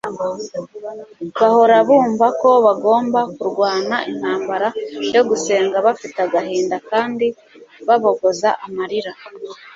bahora bumva ko bagomba kurwana intambara yo gusenga bafite agahinda kandi babogoza amarira